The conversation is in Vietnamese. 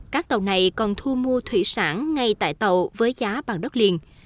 các tàu này còn thu mua thủy sản ngay tại tàu với giá bằng đất liền